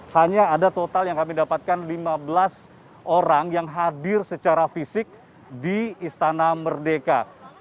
hanya ada total yang kami dapatkan lima belas orang yang hadir secara fisik di istana merdeka